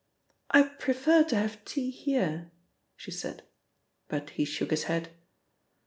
"I prefer to have tea here," she said, but he shook his head.